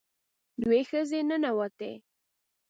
دوه ښځې ننوتې.